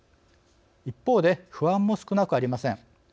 一方で、不安も少なくありません。